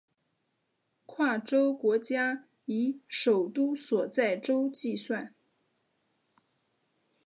跨洲国家以首都所在洲计算。